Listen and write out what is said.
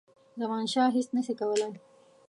زمانشاه هیچ نه سي کولای.